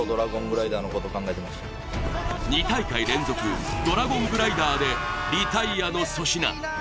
２大会連続、ドラゴングライダーでリタイアの粗品。